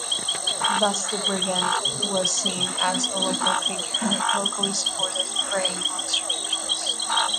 Thus the brigand was seen as a local figure, locally supported, preying on strangers.